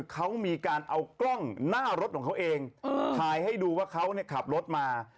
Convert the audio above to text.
เขามีการเอากล้องหน้ารถของเขาเองถ่ายให้ดูว่าเขาขับรถมา